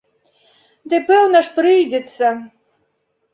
Ды пэўна ж, прыйдзецца.